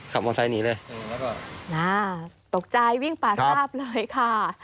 ขับมอเซอร์นี้เลยแล้วก็น่าตกใจวิ่งป่าทราบเลยค่ะ